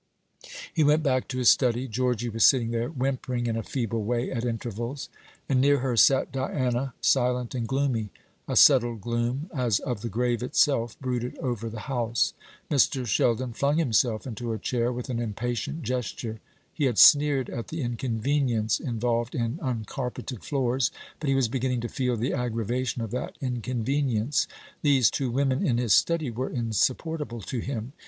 He went back to his study. Georgy was sitting there, whimpering in a feeble way at intervals; and near her sat Diana, silent and gloomy. A settled gloom, as of the grave itself, brooded over the house. Mr. Sheldon flung himself into a chair with an impatient gesture. He had sneered at the inconvenience involved in uncarpeted floors, but he was beginning to feel the aggravation of that inconvenience. These two women in his study were insupportable to him.